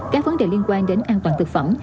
các vấn đề liên quan đến an toàn thực phẩm